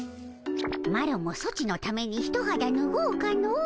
マロもソチのためにひとはだぬごうかの。